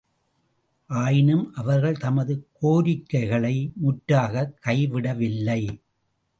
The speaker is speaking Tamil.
ஆயினும் அவர்கள் தமது கோரிக்கைகளை முற்றாகக் கைவிடவில்லை.